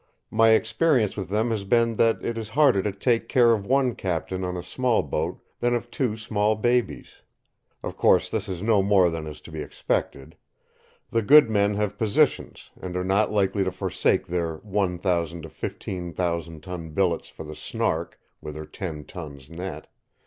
My experience with them has been that it is harder to take care of one captain on a small boat than of two small babies. Of course, this is no more than is to be expected. The good men have positions, and are not likely to forsake their one thousand to fifteen thousand ton billets for the Snark with her ten tons net.